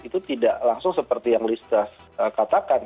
itu tidak langsung seperti yang liz fras katakan